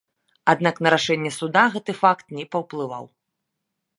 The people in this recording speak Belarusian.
Аднак на рашэнне суда гэты факт не паўплываў.